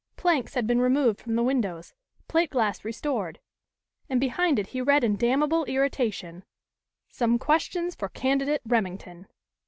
Planks had been removed from the windows, plate glass restored, and behind it he read in damnable irritation: "SOME QUESTIONS FOR CANDIDATE REMINGTON."